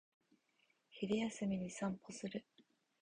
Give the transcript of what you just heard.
昼休みに散歩する